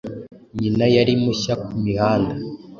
nyina yari mushya ku mihanda,